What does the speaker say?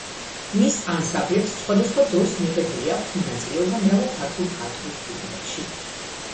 მის ანსამბლებს, სხვადასხვა დროს, მიღებული აქვთ მონაწილეობა მრავალ ქართულ მხატვრულ ფილმებში.